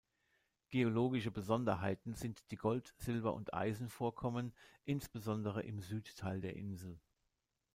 Geologische Besonderheiten sind die Gold-, Silber- und Eisenvorkommen, insbesondere im Südteil der Insel.